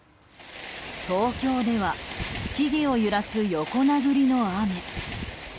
東京では木々を揺らす横殴りの雨。